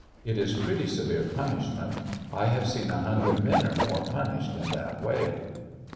It is pretty severe punishment. I have seen a hundred men or more punished in that way.